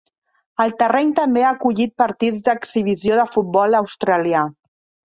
El terreny també ha acollit partits d'exhibició de futbol australià.